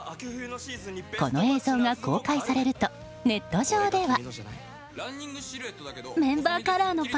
この映像が公開されるとネット上では。